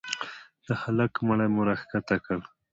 د هلك مړى مو راكښته كړ.